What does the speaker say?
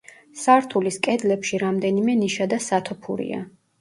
სართულის კედლებში რამდენიმე ნიშა და სათოფურია.